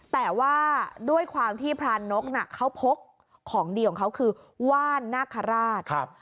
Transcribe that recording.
แต่ว่าด้วยความที่พรานกเขาพกของดีของเขาคือว่านนาคาราช